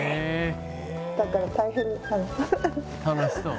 「楽しそう」